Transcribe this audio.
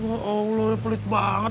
ya allah pelit banget